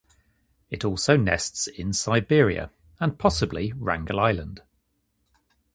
It also nests in Siberia and possibly Wrangel Island.